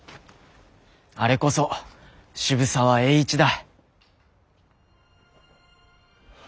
あれこそ渋沢栄一だ。